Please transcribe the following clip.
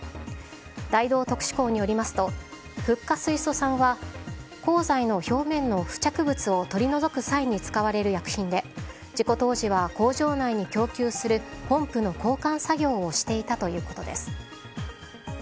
大同特殊鋼によりますとフッ化水素酸は鋼材の表面の付着物を取り除く際に使われる薬品で事故当時は、工場内に供給するポンプの交換作業をしていたということです。